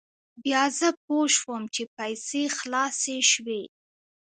بیا زه پوه شوم چې پیسې خلاصې شوې.